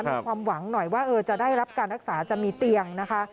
มีความหวังหน่อยว่าจะได้รับการรักษาจะมีเตียงนะคะ